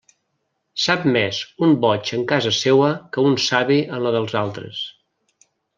Sap més un boig en casa seua que un savi en la dels altres.